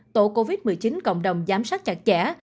tổ covid một mươi chín cộng đồng giám sát chặt chẽ